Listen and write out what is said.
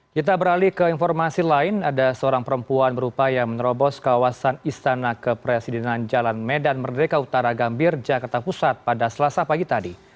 kita beralih ke informasi lain ada seorang perempuan berupaya menerobos kawasan istana kepresidenan jalan medan merdeka utara gambir jakarta pusat pada selasa pagi tadi